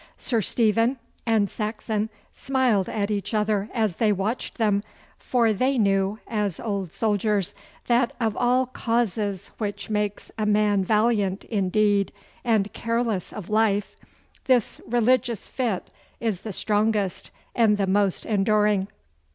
Sir Stephen and Saxon smiled at each other as they watched them, for they knew, as old soldiers, that of all causes which make a man valiant in deed and careless of life, this religious fit is the strongest and the most enduring.